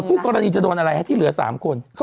ผู้กรณีจะโดนอะไรฮะที่เหลือ๓คน